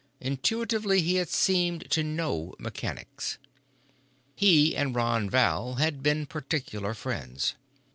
Intuitively he had seemed to know mechanics. He and Ron Val had been particular friends.